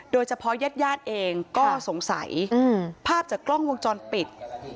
โดยเฉพาะแยธยาติเองก็สงสัยภาพจากกล้องวงจรปิด